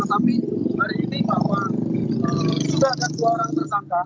tetapi hari ini pak pak sudah ada dua orang tersangka